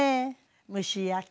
蒸し焼き。